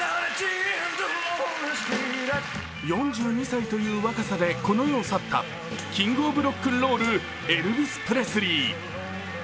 ４２歳という若さでこの世を去ったキング・オブ・ロックンロールエルヴィス・プレスリー。